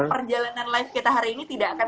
perjalanan live kita hari ini tidak akan